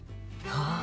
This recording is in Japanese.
ああ。